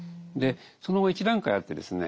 その後一段階あってですね